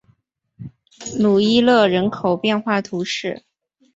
鲁伊勒人口变化图示